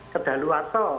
sudah luar soal